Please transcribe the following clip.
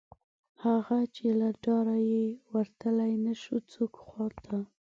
هغه، چې له ډاره یې ورتلی نشو څوک خواته